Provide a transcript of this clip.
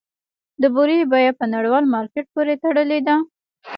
د بورې بیه په نړیوال مارکیټ پورې تړلې ده؟